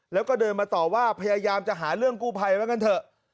แล้วก็เดินมาต่อว่าพยายามจะหาเรื่องกู้ภัยว่างั้นเถอะ